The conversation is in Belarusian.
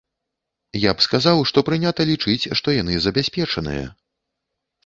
Я б сказаў, што прынята лічыць, што яны забяспечаныя.